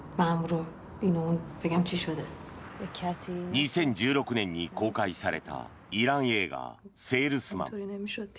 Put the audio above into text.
２０１６年に公開されたイラン映画「セールスマン」。